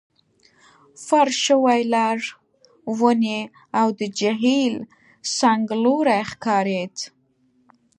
فرش شوي لار، ونې، او د جهیل څنګلوری ښکارېد.